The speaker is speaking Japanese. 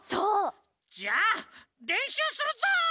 じゃあれんしゅうするぞ！